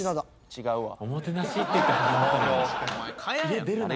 「違うわ」